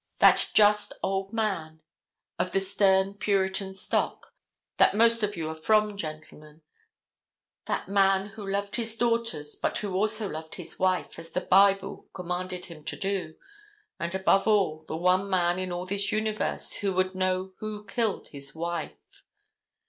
That just old man, of the stern puritan stock, that most of you are from, gentlemen, that man who loved his daughters, but who also loved his wife, as the Bible commanded him to. And, above all, the one man in all this universe who would know who killed his wife.